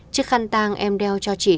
chiếc khăn tang em đeo cho chị